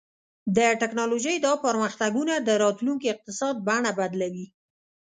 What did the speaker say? د ټیکنالوژۍ دا پرمختګونه د راتلونکي اقتصاد بڼه بدلوي.